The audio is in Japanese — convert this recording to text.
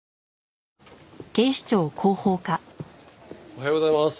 おはようございます。